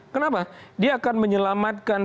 kenapa dia akan menyelamatkan